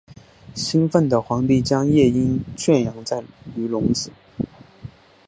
兴奋的皇帝将夜莺圈养于笼子。